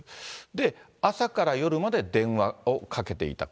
で、朝から夜まで電話をかけていた。